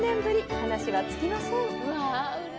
話は尽きません。